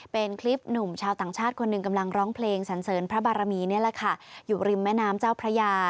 เป็นคลิปหนุ่มชาวต่างชาติคนหนึ่งกำลังร้องเพลงสันเสริญพระบารมีนี่แหละค่ะอยู่ริมแม่น้ำเจ้าพระยา